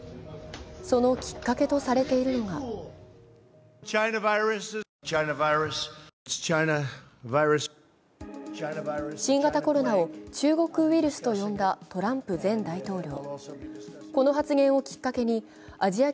そのきっかけとされているのが新型コロナを「中国ウイルス」と呼んだトランプ大統領。